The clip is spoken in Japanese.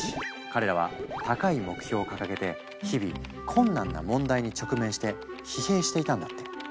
彼らは高い目標を掲げて日々困難な問題に直面して疲弊していたんだって。